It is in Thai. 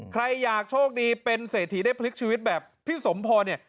ใครอยากโชคดีเป็นเศรษฐีได้พลิกชีวิตแบบพี่สมพรเนี่ย